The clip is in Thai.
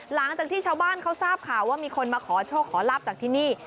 หลังจากที่ชาวบ้านเขาทราบข่าวว่ามีคนมาขอโชคขอลาบจากที่นี่